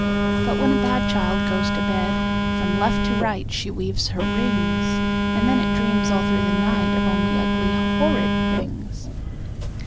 But when a bad child goes to bed, From left to right she weaves her rings, And then it dreams all through the night Of only ugly horrid things!